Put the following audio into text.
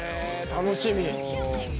楽しみ。